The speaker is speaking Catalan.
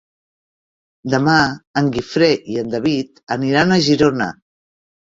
Demà en Guifré i en David aniran a Girona.